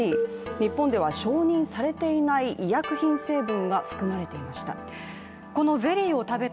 日本では承認されていない医薬品成分が含まれていました。